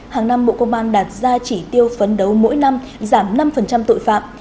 hàng năm bộ công an đạt ra chỉ tiêu phấn đấu mỗi năm giảm năm tội phạm